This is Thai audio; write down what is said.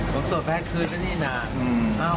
ผมสวดให้คืนแล้วนี่นา